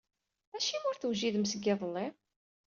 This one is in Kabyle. Acimi ur tewjidem seg yiḍelli.